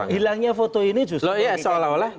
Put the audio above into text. hilangnya foto ini justru